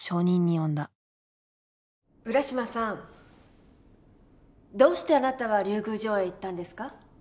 浦島さんどうしてあなたは竜宮城へ行ったんですか？